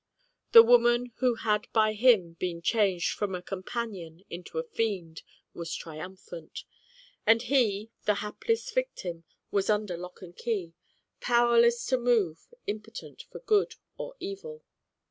The woman who had by him been changed from a companion into a fiend was tri umphant. And he, the hapless victim, was under lock and key, powerless to move, impotent for good or evil.